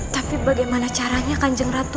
tapi bagaimana caranya kanjeng ratu